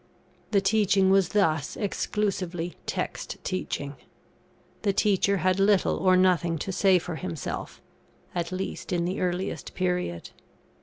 The teaching was thus exclusively Text teaching. The teacher had little or nothing to say for himself (at least in the earliest period).